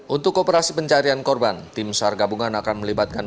untuk kooperasi pencarian korban tim sargabungan akan melibatkan